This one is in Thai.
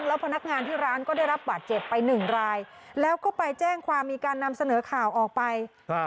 แล้วพนักงานที่ร้านก็ได้รับบาดเจ็บไปหนึ่งรายแล้วก็ไปแจ้งความมีการนำเสนอข่าวออกไป